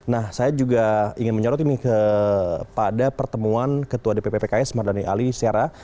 nah saya juga ingin menyorot ini kepada pertemuan ketua dpp pks mardani ali sera